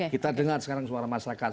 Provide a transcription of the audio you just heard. kita dengar sekarang suara masyarakat